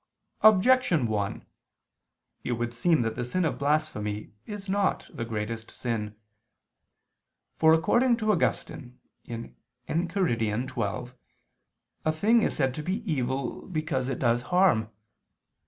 Objection 1: It would seem that the sin of blasphemy is not the greatest sin. For, according to Augustine (Enchiridion xii), a thing is said to be evil because it does harm.